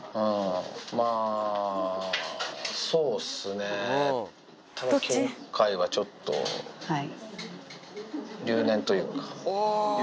まあ、そうっすね、ただ今回はちょっと、留年というか。